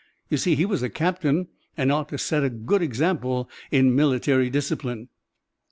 You see, he was a captain and ought to 'a' set a good example in military discipline."